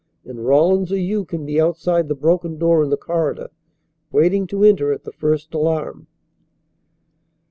And Rawlins or you can be outside the broken door in the corridor, waiting to enter at the first alarm."